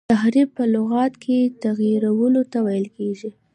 تحریف په لغت کي تغیرولو ته ویل کیږي.